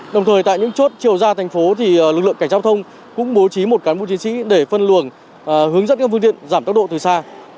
đồng thời tại những chốt chiều ra thành phố lực lượng cảnh giao thông cũng bố trí một cán bộ chiến sĩ để phân luồng hướng dẫn các phương tiện giảm tốc độ từ xa